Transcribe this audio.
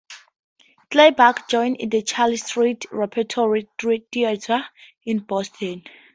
Clayburgh joined the Charles Street Repertory Theater in Boston.